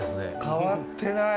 変わってない。